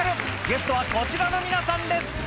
ゲストはこちらの皆さんです